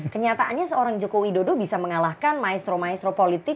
kenyataannya seorang jokowi dodo bisa mengalahkan maestro maestro politik